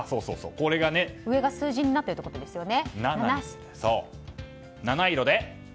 上が数字になっているということですよね。